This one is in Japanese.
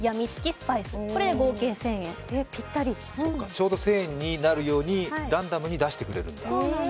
ちょうど１０００円になるようにランダムに出してくれるんだ。